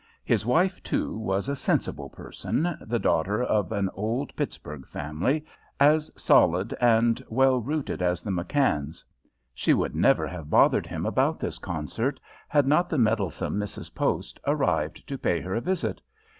His wife, too, was a sensible person, the daughter of an old Pittsburgh family as solid and well rooted as the McKanns. She would never have bothered him about this concert had not the meddlesome Mrs. Post arrived to pay her a visit.